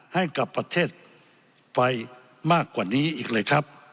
ให้กับประเทศไปมากกว่านี้อีกเลยครับ